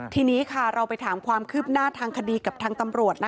ทีนี้ค่ะเราไปถามความคืบหน้าทางคดีกับทางตำรวจ